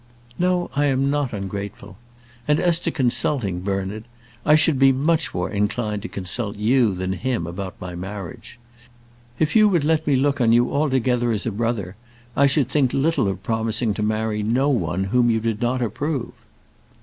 "No; I am not ungrateful. And as to consulting, Bernard, I should be much more inclined to consult you than him about my marriage. If you would let me look on you altogether as a brother, I should think little of promising to marry no one whom you did not approve."